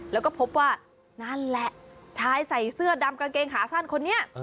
แล้วก็พบว่านั่นแหละชายใส่เสื้อดำกางเกงขาสั้นคนนี้